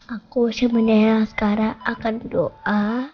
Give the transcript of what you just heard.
aku sebenernya askara akan berdoa